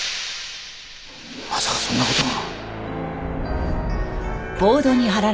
まさかそんな事が。